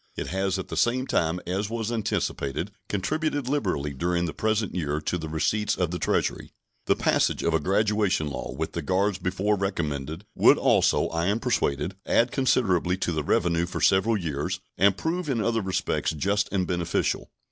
It has at the same time, as was anticipated, contributed liberally during the present year to the receipts of the Treasury. The passage of a graduation law, with the guards before recommended, would also, I am persuaded, add considerably to the revenue for several years, and prove in other respects just and beneficial.